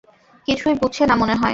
কিছুই বুঝসে না মনে হয়।